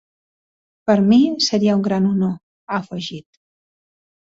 Per mi seria un gran honor, ha afegit.